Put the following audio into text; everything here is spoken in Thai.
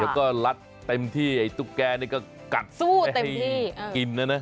แล้วก็ลัดเต็มที่ตุ๊กแกก็กัดไปให้กินนะ